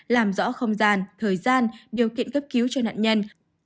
làm rõ không gian thời gian điều kiện cấp cứu cho nạn nhân